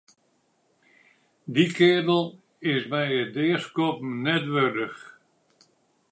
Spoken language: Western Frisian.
Dy keardel is my it deaskoppen net wurdich.